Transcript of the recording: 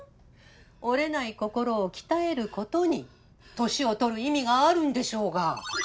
折れない心を鍛えることに年を取る意味があるんでしょうが。